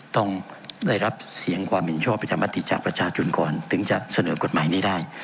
ต้องได้รับเสียงความเห็นชอบประชามติจากประชาชนก่อนถึงจะเสนอกฎหมายนี้ได้